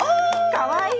かわいい！